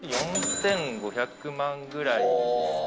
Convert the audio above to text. ４５００万くらいです。